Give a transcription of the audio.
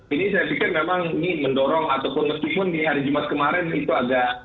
ini saya pikir memang ini mendorong ataupun meskipun di hari jumat kemarin itu agak